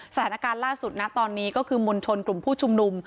สถานการณ์ล่าสุดนะตอนนี้ก็คือมวลชนกลุ่มผู้ชุมนุม